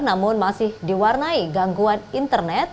namun masih diwarnai gangguan internet